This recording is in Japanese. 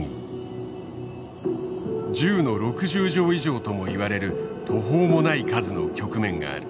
１０の６０乗以上ともいわれる途方もない数の局面がある。